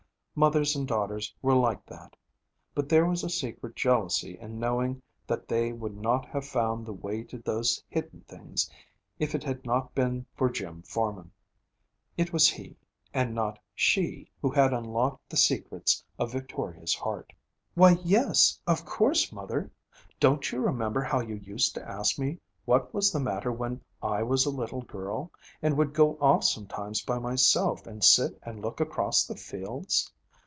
Mothers and daughters were like that. But there was a secret jealousy in knowing that they would not have found the way to those hidden things if it had not been for Jim Forman. It was he, and not she, who had unlocked the secrets of Victoria's heart. 'Why, yes, of course, mother. Don't you remember how you used to ask me what was the matter when I was a little girl, and would go off sometimes by myself and sit and look across the fields?